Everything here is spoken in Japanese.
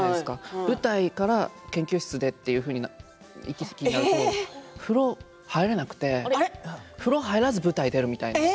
舞台から研究室でという行き来になると風呂に入れなくて風呂に入らずに舞台に出るみたいな。